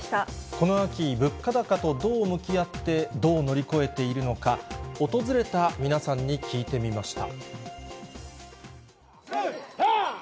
この秋、物価高とどう向き合って、どう乗り越えているのか、訪れた皆さんに聞いてみました。